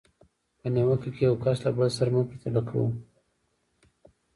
په نیوکه کې یو کس له بل سره مه پرتله کوئ.